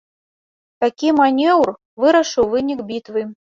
Такі манеўр вырашыў вынік бітвы.